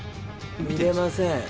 見れません。